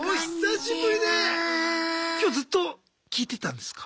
今日ずっと聞いてたんですか？